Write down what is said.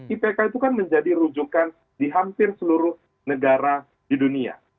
ipk itu kan menjadi rujukan di hampir seluruh negara di dunia